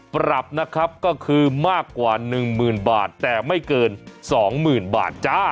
ปรับนะครับก็คือมากกว่า๑๐๐๐บาทแต่ไม่เกิน๒๐๐๐บาทจ้า